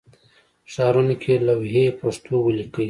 ښارونو کې لوحې پښتو ولیکئ